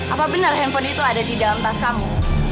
apa benar handphone itu ada di dalam tas kamu